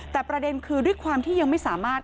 แต่ประเด็นคือด้วยความที่ยังไม่สามารถ